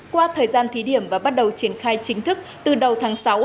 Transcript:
qua thời gian thí điểm và bắt đầu triển khai chính thức từ đầu tháng sáu